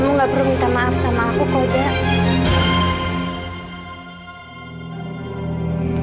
kamu gak perlu minta maaf sama aku kau zek